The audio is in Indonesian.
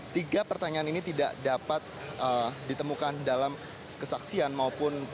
tiga pertanyaan ini tidak dapat ditemukan dalam kesaksian maupun